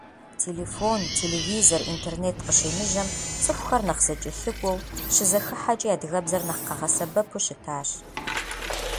Телефон, телевизор, интернет къыщемыжьэм, цӀыхухэр нэхъ зэкӀэлъыкӀуэу, щызэхыхьэкӀи адыгэбзэр нэхъ къагъэсэбэпу щытащ.